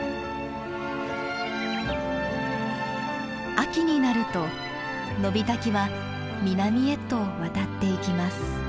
秋になるとノビタキは南へと渡っていきます。